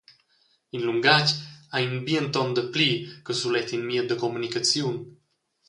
In lungatg ei in bienton dapli che sulet in mied da communicaziun.